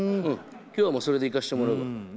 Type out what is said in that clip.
今日はもうそれでいかせてもらうわ。